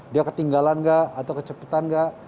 dia ketinggalan gak atau kecepatan gak